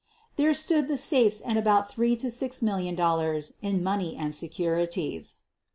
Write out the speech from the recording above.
There stood the safes and from three to six mil lion dollars in money and securities.